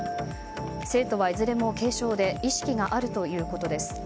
生徒はいずれも軽症で意識があるということです。